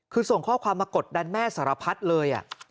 คือส่งข้อความมากดดันแม่สารพัดเลย